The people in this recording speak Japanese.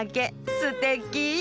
すてき！